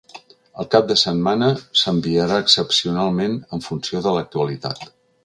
El cap de setmana s’enviarà excepcionalment en funció de l’actualitat.